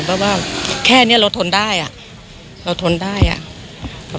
เพราะว่าแค่เนี่ยเราทนได้อ่ะ